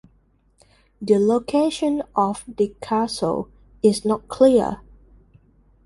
The location of the castle is not clear.